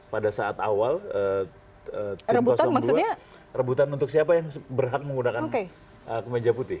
pada saat awal tim dua rebutan untuk siapa yang berhak menggunakan kemeja putih